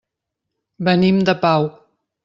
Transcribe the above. Venim de Pau.